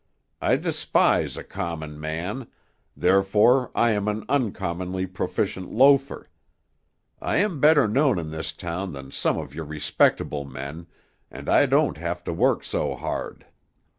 I despise a common man, therefore I am an uncommonly proficient loafer. I am better known in this town than some of your respectable men, and I don't have to work so hard.